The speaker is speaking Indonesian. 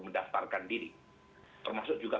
mendaftarkan diri termasuk juga